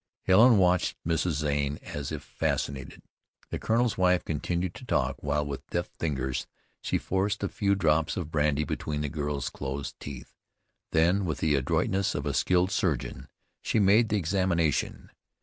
Helen watched Mrs. Zane as if fascinated. The colonel's wife continued to talk while with deft fingers she forced a few drops of brandy between the girl's closed teeth. Then with the adroitness of a skilled surgeon, she made the examination.